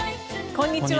こんにちは。